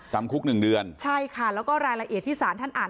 จำคุกหนึ่งเดือนใช่ค่ะแล้วก็รายละเอียดที่สารท่านอ่าน